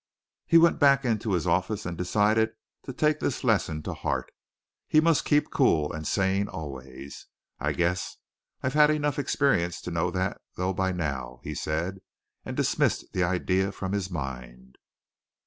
He went back into his office and decided to take this lesson to heart. He must keep cool and sane always. "I guess I've had enough experience to know that, though, by now," he said and dismissed the idea from his mind.